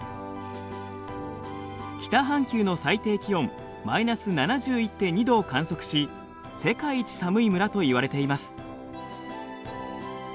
北半球の最低気温マイナス７１．２度を観測し世界一寒い村といわれています。